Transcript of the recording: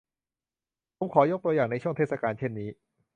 ผมขอยกตัวอย่างในช่วงเทศกาลเช่นนี้